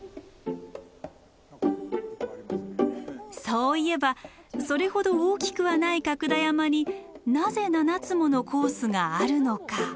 そういえばそれほど大きくはない角田山になぜ７つものコースがあるのか？